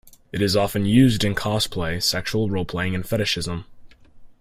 It is often used in cosplay, sexual roleplaying, and fetishism.